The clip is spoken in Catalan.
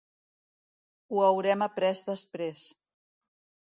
Ho haurem après després.